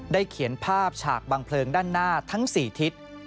เขียนภาพฉากบางเพลิงด้านหน้าทั้ง๔ทิศ